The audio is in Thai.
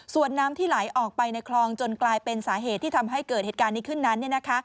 ส่วนน้ำที่ไหลออกไปในคลองจนกลายเป็นสาเหตุที่ทำให้เกิดเหตุการณ์นี้ขึ้นนั้น